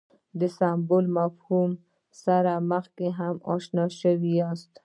د سمبول له مفهوم سره مخکې هم اشنا شوي یاست.